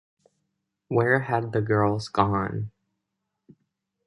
Where had the girls gone?